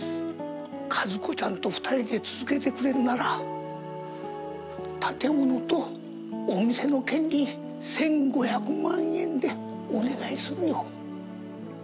一子ちゃんと２人で続けてくれるなら、建物とお店の権利、１５００万円でお願いするよ。